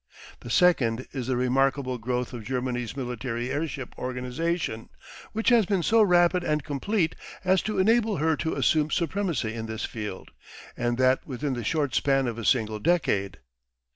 The second is the remarkable growth of Germany's military airship organisation, which has been so rapid and complete as to enable her to assume supremacy in this field, and that within the short span of a single decade.